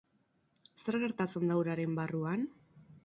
Zer gertatzen da uraren barruan?